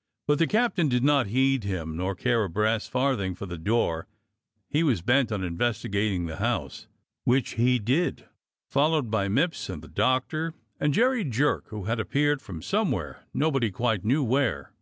" But the captain did not heed him, nor care a brass farthing for the door, he was bent on investigating the house, which he did, followed by Mipps and the Doctor and Jerry Jerk, who had appeared from somewhere, nobody quite knew where.